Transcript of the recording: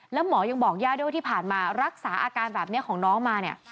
แล้วหมอยังบอกย่าด้วยว่าที่ผ่านมารักษาอาการแบบนี้ของน้องมาเนี่ย